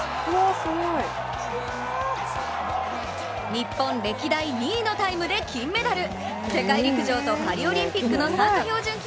日本歴代２位のタイムで金メダル。